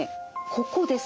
ここです。